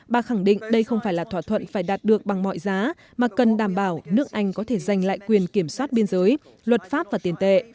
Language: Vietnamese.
bà khẳng định đây không phải là thỏa thuận phải đạt được bằng mọi giá mà cần đảm bảo nước anh có thể giành lại quyền kiểm soát biên giới luật pháp và tiền tệ